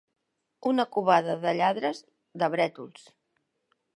Una covada de lladres, de brètols.